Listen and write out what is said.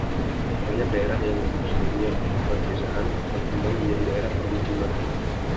Banyak daerah yang sebelumnya pedesaan berkembang menjadi daerah permukiman.